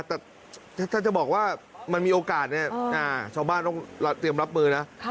แต่ถ้าจะบอกว่ามันมีโอกาสเนี่ยชาวบ้านต้องเตรียมรับมือนะ